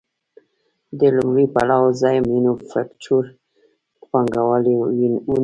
د لومړي پړاو ځای مینوفکچور پانګوالي ونیو